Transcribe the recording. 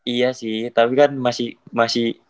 iya sih tapi kan masih